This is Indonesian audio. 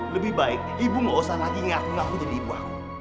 lebih baik ibu gak usah lagi ngaku ngaku jadi ibu aku